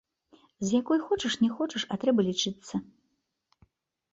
З якой, хочаш не хочаш, а трэба лічыцца.